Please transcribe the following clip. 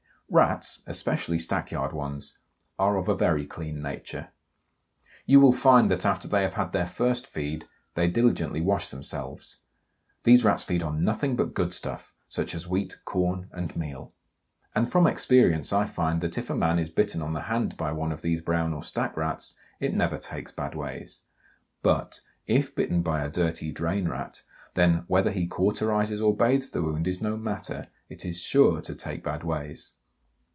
Rats, especially stackyard ones, are of a very clean nature. You will find that after they have had their first feed they diligently wash themselves. These Rats feed on nothing but good stuff, such as wheat, corn, and meal; and from experience I find that if a man is bitten on the hand by one of these Brown or Stack Rats it never "takes bad ways," but, if bitten by a dirty Drain Rat, then whether he cauterises or bathes the wound is no matter, it is sure to "take bad ways."